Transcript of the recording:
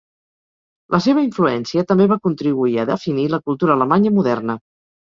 La seva influència també va contribuir a definir la cultura alemanya moderna.